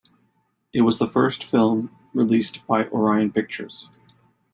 It was the first film released by Orion Pictures.